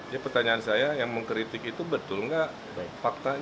jadi pertanyaan saya yang mengkritik itu betul nggak